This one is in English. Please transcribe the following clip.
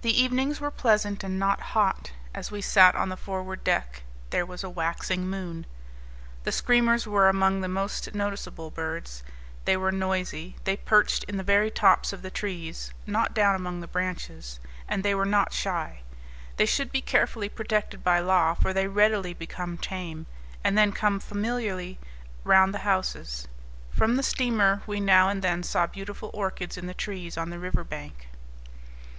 The evenings were pleasant and not hot, as we sat on the forward deck; there was a waxing moon. The screamers were among the most noticeable birds. They were noisy; they perched on the very tops of the trees, not down among the branches; and they were not shy. They should be carefully protected by law, for they readily become tame, and then come familiarly round the houses. From the steamer we now and then saw beautiful orchids in the trees on the river bank.